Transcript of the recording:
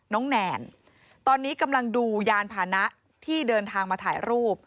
แนนตอนนี้กำลังดูยานพานะที่เดินทางมาถ่ายรูป